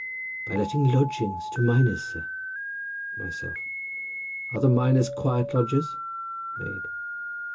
—By letting lodgings to miners, sir. Myself.—Are the miners quiet lodgers? Maid.